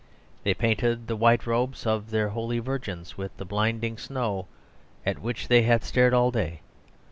They painted the white robes of their holy virgins with the blinding snow, at which they had stared all day.